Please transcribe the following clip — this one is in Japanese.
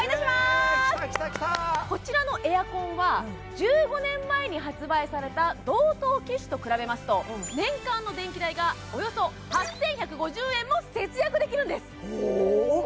イエーイきたきたきたこちらのエアコンは１５年前に発売された同等機種と比べますと年間の電気代がおよそ８１５０円も節約できるんです